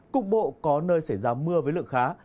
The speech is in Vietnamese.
cục bộ có nơi xảy ra mưa với lượng khá